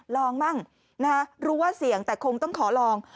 มั่งรู้ว่าเสี่ยงแต่คงต้องขอลอง